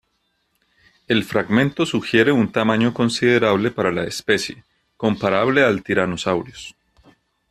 El fragmento sugiere un tamaño considerable para la especie, comparable al de "Tyrannosaurus".